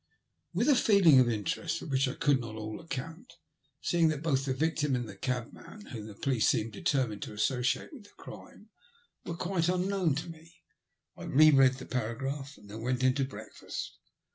With a feeling of interest, for which I could not at all account, seeing that both the victim and the cab* man, whom the police seemed determined to associate with the crime, were quite unknown to me, I re read the paragraph, and then went in to breakfast.